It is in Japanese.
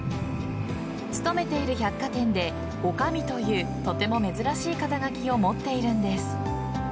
勤めている百貨店で女将というとても珍しい肩書きを持っているんです。